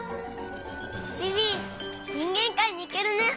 ビビにんげんかいにいけるね！